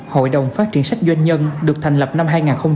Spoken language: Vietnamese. hội đồng phát triển sách doanh nhân được thành lập năm hai nghìn hai mươi